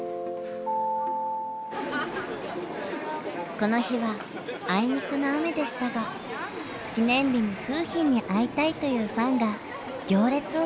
この日はあいにくの雨でしたが記念日に楓浜に会いたいというファンが行列を作っていました。